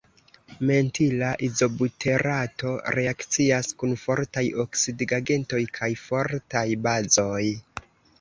Mentila izobuterato reakcias kun fortaj oksidigagentoj kaj fortaj bazoj.